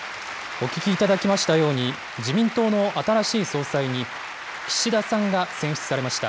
お聞きいただきましたように、自民党の新しい総裁に、岸田さんが選出されました。